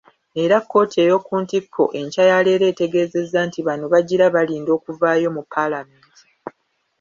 Era kkooti ey'okuntikko enkya yaleero etegeezezza nti bano bagira balinda okuvaayo mu Paalamenti.